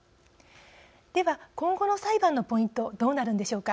では今後の裁判のポイントどうなるんでしょうか。